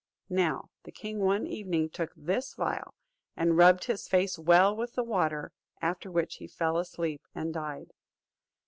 Now the king one evening took this phial, and rubbed his face well with the water, after which he fell asleep and died.